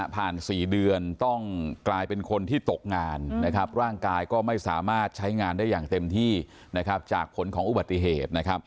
๔เดือนต้องกลายเป็นคนที่ตกงานร่างกายก็ไม่สามารถใช้งานได้อย่างเต็มที่จากผลของอุบัติเหตุ